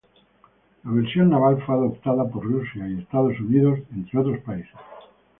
La versión naval fue adoptada por Rusia y Estados Unidos, entre otros países.